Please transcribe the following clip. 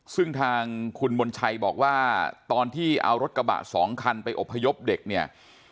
ซึ่งทางคุณมนชัยบอกว่าตอนที่เอารถกระบะสองคันไปอบพยพเด็กเนี่ย